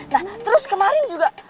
nah terus kemarin juga